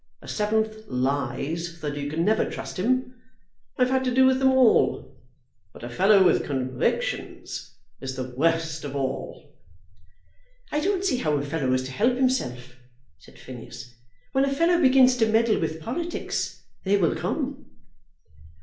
A seventh lies so that you never can trust him. I've had to do with them all, but a fellow with convictions is the worst of all." "I don't see how a fellow is to help himself," said Phineas. "When a fellow begins to meddle with politics they will come."